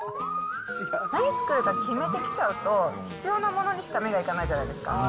何作るか決めて来ちゃうと、必要なものにしか目がいかないじゃないですか。